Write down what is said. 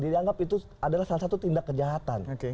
dianggap itu adalah salah satu tindak kejahatan